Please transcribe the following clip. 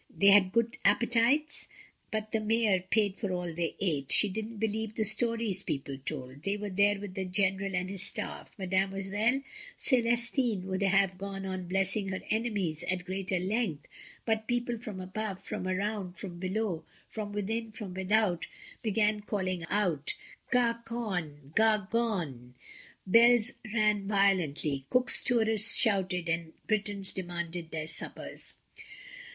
They had good appetites, but the mayor paid for all they ate; she didn't believe the stories people told. They were there with the general and his staff. ... Mademoiselle Cdestine would have gone on blessing her enemies at greater length, but people from above, from around, from below, from within, from without, began calling out ^^Garqon, THE BLACK SHADOWS. 1 63 gar^on !" bells rang violently, Cook's tourists shouted, and Britons demanded their suppers.